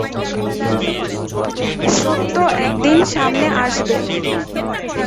সত্য একদিন সামনে আসবে।